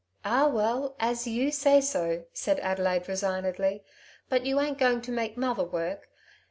" Ah well, as you say so," said Adelaide resignedly; " but you ain't going to make mother work.